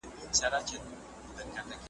سي به څرنګه په کار د غلیمانو `